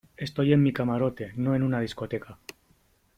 estoy en mi camarote , no en una discoteca .